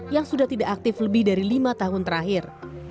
yang sudah tidak aktif lebih dari lima tahun terakhir